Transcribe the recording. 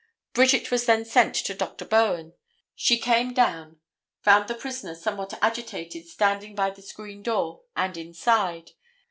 Bridget was then sent to Dr. Bowen. She came down, found the prisoner somewhat agitated standing by the screen door and inside.